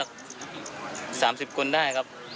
๓๐คนได้ครับ